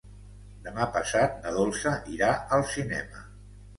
Demà passat na Dolça irà al cinema.